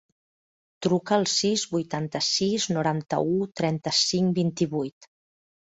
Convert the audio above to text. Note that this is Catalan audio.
Truca al sis, vuitanta-sis, noranta-u, trenta-cinc, vint-i-vuit.